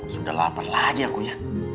sudah lama lagi aku ya